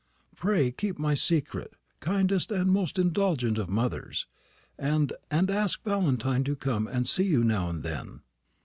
Pray keep my secret, kindest and most indulgent of mothers, and and ask Valentine to come and see you now and then."